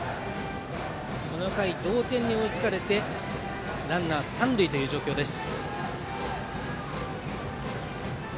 この回、同点に追いつかれてランナー、三塁という状況です。